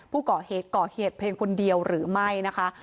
ผู้ก่อเหตุก่อเหตุเพียงคนเดียวหรือไม่นะคะ